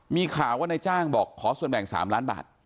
มีข่าวว่านายจ้างบอกขอส่วนแบ่ง๓ล้านบาท